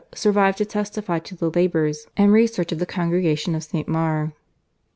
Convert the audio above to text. survive to testify to the labours and research of the Congregation of St. Maur.